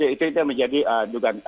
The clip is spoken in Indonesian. itu yang menjadi dugaan